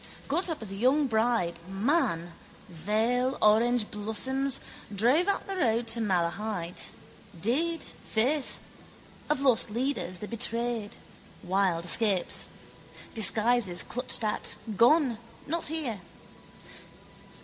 Got up as a young bride, man, veil, orangeblossoms, drove out the road to Malahide. Did, faith. Of lost leaders, the betrayed, wild escapes. Disguises, clutched at, gone, not here.